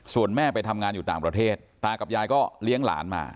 ส่วนแม่ไปทำงานอยู่ต่างประเทศตากับยายก็เลี้ยงหลานมา